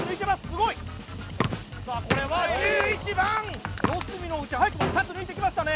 すごいさあこれは１１番四隅のうち早くも２つ抜いてきましたね